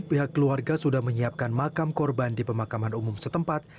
pihak keluarga sudah menyiapkan makam korban di pemakaman umum setempat